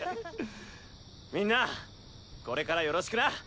みんなこれからよろしくな！